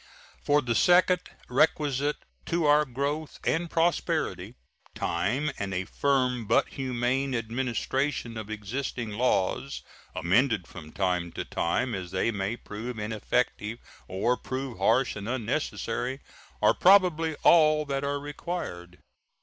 For the second requisite to our growth and prosperity time and a firm but humane administration of existing laws (amended from time to time as they may prove ineffective or prove harsh and unnecessary) are probably all that are required.